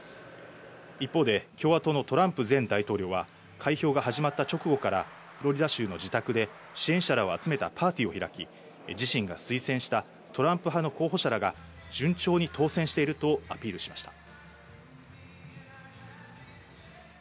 一方で、共和党のトランプ前大統領は、開票が始まった直後から、フロリダ州の自宅で支援者らを集めたパーティーを開き、自身が推薦したトランプ派の候補者らが順調に当選しているとアピールしました。